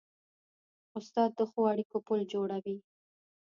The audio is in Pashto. استاد د ښو اړیکو پل جوړوي.